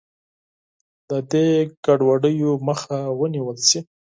د دې ګډوډیو مخه ونیول شي.